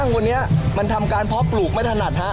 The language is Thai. วันนี้มันทำการเพาะปลูกไม่ถนัดฮะ